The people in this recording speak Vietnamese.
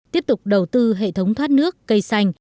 tiếp tục đầu tư hệ thống thoát nước cây xanh